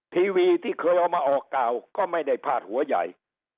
ทีวีที่เคยเอามาออกกล่าวก็ไม่ได้พาดหัวใหญ่